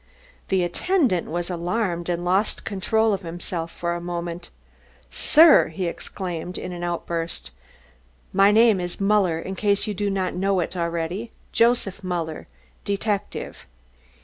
The attendant was alarmed and lost control of himself for a moment. "Sir!" he exclaimed in an outburst. "My name is Muller, in case you do not know it already, Joseph Muller, detective.